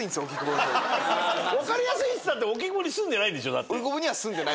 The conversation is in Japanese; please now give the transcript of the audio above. わかりやすいつったって荻窪に住んでないんでしょ？だって。